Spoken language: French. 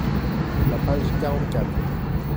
la page quarante quatre.